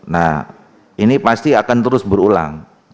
nah ini pasti akan terus berulang